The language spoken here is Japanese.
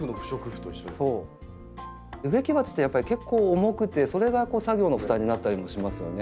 植木鉢ってやっぱり結構重くてそれが作業の負担になったりもしますよね。